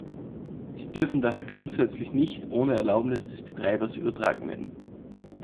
Sie dürfen daher grundsätzlich nicht ohne Erlaubnis des Betreibers übertragen werden.